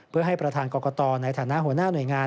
เพื่อให้ประธานกรกตในฐานะหัวหน้าหน่วยงาน